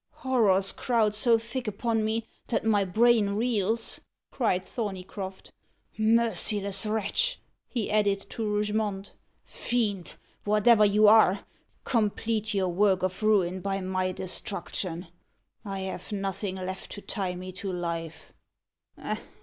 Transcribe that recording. "Horrors crowd so thick upon me that my brain reels," cried Thorneycroft. "Merciless wretch!" he added, to Rougemont, "fiend whatever you are, complete your work of ruin by my destruction. I have nothing left to tie me to life."